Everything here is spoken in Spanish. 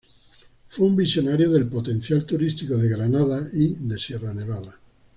Fue un visionario del potencial turístico de Granada y de Sierra Nevada.